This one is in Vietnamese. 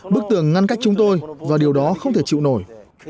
bức tường ngăn cách chúng tôi và điều đó không thể chịu nổi